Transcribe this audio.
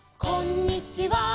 「こんにちは」